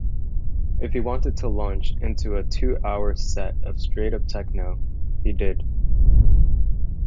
If he wanted to launch into a two-hour set of straight-up techno, he did.